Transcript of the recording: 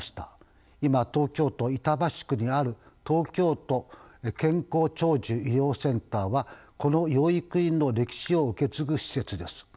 今東京都板橋区にある東京都健康長寿医療センターはこの養育院の歴史を受け継ぐ施設です。